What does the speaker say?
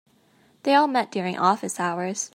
They all met during office hours.